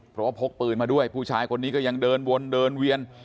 เพราะว่าพกปืนมาด้วยผู้ชายคนนี้ก็ยังเดินวนเดินเวียน